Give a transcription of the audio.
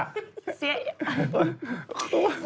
เสียอย่า